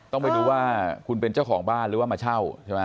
ต้องไปดูว่าคุณเป็นเจ้าของบ้านหรือว่ามาเช่าใช่ไหม